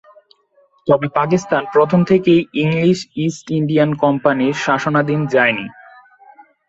তবে পাকিস্তান প্রথম থেকেই ইংলিশ ইস্ট ইন্ডিয়া কোম্পানির শাসনাধীনে যায়নি।